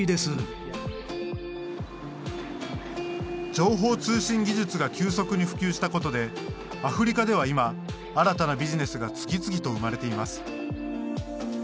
情報通信技術が急速に普及したことでアフリカでは今新たなビジネスが次々と生まれています。